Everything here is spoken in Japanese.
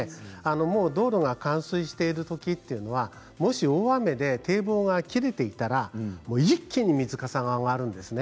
もう道路が冠水しているときというのは、もし大雨で堤防が切れていたら一気に水かさが上がるんですね。